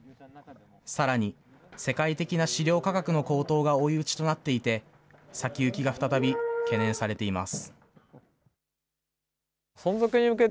さらに、世界的な飼料価格の高騰が追い打ちとなっていて、先行きが再び懸念されています。